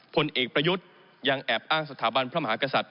ผลเอกประยุทธ์ยังแอบอ้างสถาบันพระมหากษัตริย